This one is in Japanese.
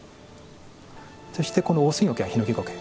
そしてこのオオスギゴケやヒノキゴケ。